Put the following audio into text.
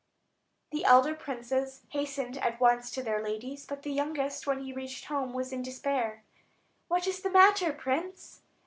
The elder princes hastened at once to their ladies; but the youngest, when he reached home, was in despair. "What is the matter, prince?"